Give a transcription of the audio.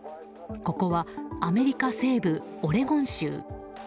ここはアメリカ西部オレゴン州。